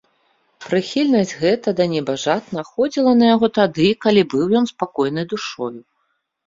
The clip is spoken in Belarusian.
Прыхільнасць гэта да небажат находзіла на яго тады, калі быў ён спакойны душою.